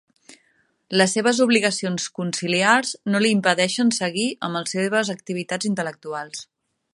Les seves obligacions conciliars no li impedeixen seguir amb les seves activitats intel·lectuals.